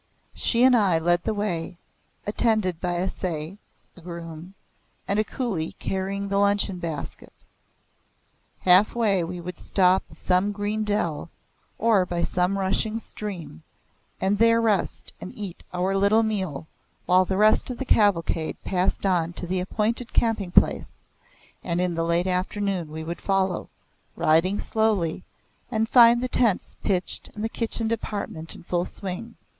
She and I led the way, attended by a sais (groom) and a coolie carrying the luncheon basket. Half way we would stop in some green dell, or by some rushing stream, and there rest and eat our little meal while the rest of the cavalcade passed on to the appointed camping place, and in the late afternoon we would follow, riding slowly, and find the tents pitched and the kitchen department in full swing.